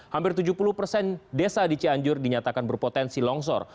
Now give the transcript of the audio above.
hampir tujuh puluh persen desa di cianjur dinyatakan berpotensi longsor